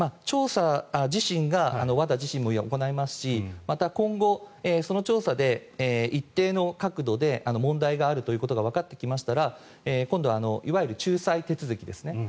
調査自身はＷＡＤＡ自身も行いますしまた、今後その調査で一定の確度で問題があるということがわかってきたらいわゆる仲裁手続きですね。